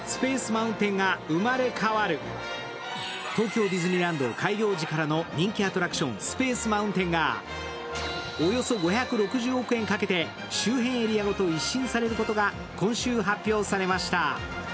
東京ディズニーランド開業時からの人気アトラクションスペースマウンテンがおよそ５６０億円かけて周辺エリアごと一新されることが今週発表されました。